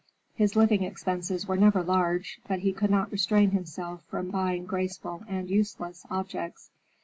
His living expenses were never large, but he could not restrain himself from buying graceful and useless objects.